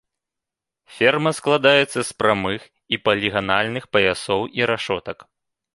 Ферма складаецца з прамых і паліганальных паясоў і рашотак.